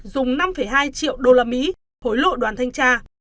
dùng năm hai triệu usd hối lộ đoàn thanh tra